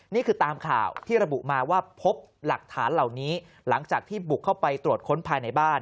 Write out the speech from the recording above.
นี่คือตามข่าวที่ระบุมาว่าพบหลักฐานเหล่านี้หลังจากที่บุกเข้าไปตรวจค้นภายในบ้าน